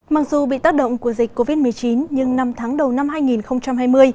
mặc dù bị tác động của dịch covid một mươi chín nhưng năm tháng đầu năm hai nghìn hai mươi